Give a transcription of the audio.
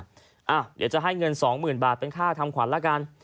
เดี๋ยวจะให้เงิน๒๐๐๐บาทเป็นค่าทำขวัญละกัน